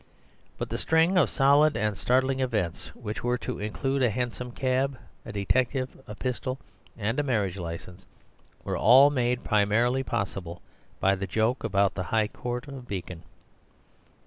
But the string of solid and startling events— which were to include a hansom cab, a detective, a pistol, and a marriage licence—were all made primarily possible by the joke about the High Court of Beacon.